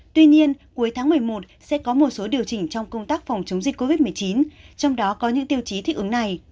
tuy nhiên cuối tháng một mươi một sẽ có một số điều chỉnh trong công tác phòng chống dịch covid một mươi chín trong đó có những tiêu chí thích ứng này